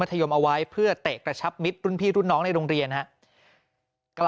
หยุดหยุดหยุดหยุดหยุด